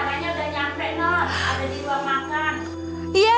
besarnya udah nyampe nol ada di ruang makan